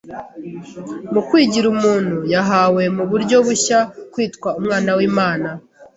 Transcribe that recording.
Mu kwigira umuntu, yahawe mu buryo bushya kwitwa Umwana w’Imana.